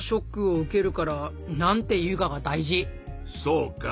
そうか。